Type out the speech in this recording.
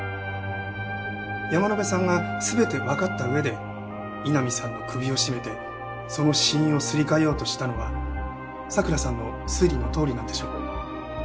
山野辺さんが全てわかった上で井波さんの首を絞めてその死因をすり替えようとしたのは佐倉さんの推理のとおりなんでしょう。